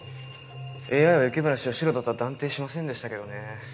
ＡＩは雪村をシロだとは断定しませんでしたけどねぇ。